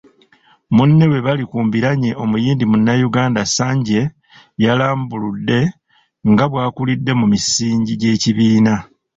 Munne bwebali ku mbiranye Omuyindi munnayuganda Sanjay, yalambuludde nga bwakulidde mu misingi gy’ekibiina.